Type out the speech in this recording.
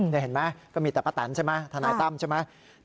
นี่เห็นไหมก็มีแต่ป้าแตนใช่ไหมทนายตั้มใช่ไหม